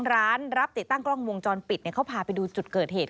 ร้านรับติดตั้งกล้องวงจรปิดเขาพาไปดูจุดเกิดเหตุ